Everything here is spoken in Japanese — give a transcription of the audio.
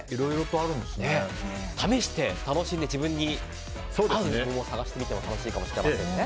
試して楽しんで、自分に合う桃を探してみても楽しいかもしれないですね。